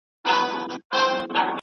شمع هر څه ویني راز په زړه لري ..